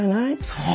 そう！